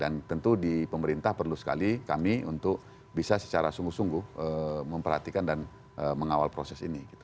dan tentu di pemerintah perlu sekali kami untuk bisa secara sungguh sungguh memperhatikan dan mengawal proses ini